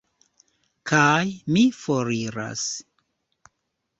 Kaj mi foriras.